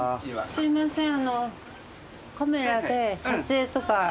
すいません。